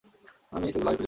আমি সেগুলো আগে খুঁজে পাইনি।